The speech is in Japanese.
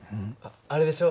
あれでしょ